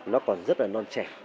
nó còn rất là non trẻ